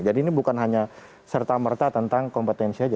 jadi ini bukan hanya serta merta tentang kompetensi aja